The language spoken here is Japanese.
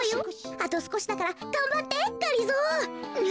あとすこしだからがんばってがりぞー。